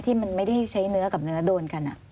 ที่มันไม่ได้ใช้เนื้อกับเนื้อโดนกัน